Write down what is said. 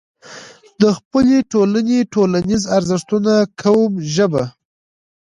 د خپلې ټولنې، ټولنيز ارزښتونه، قوم، ژبه